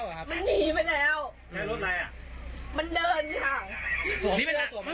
แล้วเขาเข้าผ่ากับแม่มานานแล้วค่ะ